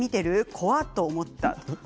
怖っ！と思った。